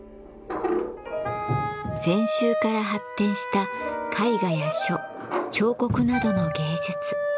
禅宗から発展した絵画や書彫刻などの芸術。